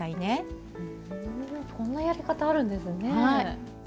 こんなやり方あるんですね。